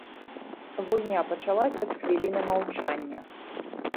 Гульня пачалася з хвіліны маўчання.